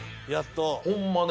ホンマね